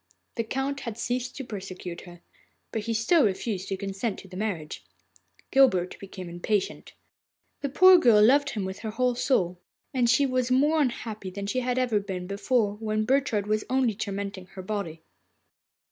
The Count had ceased to persecute her, but he still refused his consent to the marriage. Guilbert became impatient. The poor girl loved him with her whole soul, and she was more unhappy than she had been before, when Burchard was only tormenting her body.